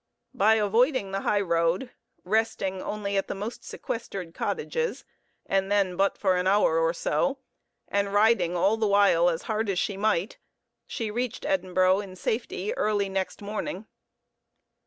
By avoiding the highroad, resting only at the most sequestered cottages and then but for an hour or so and riding all the while as hard as she might, she reached Edinburgh in safety early next morning.